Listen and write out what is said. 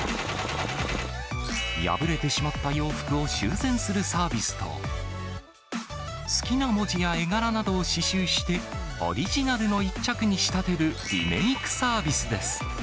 破れてしまった洋服を修繕するサービスと、好きな文字や絵柄などを刺しゅうして、オリジナルの一着に仕立てるリメークサービスです。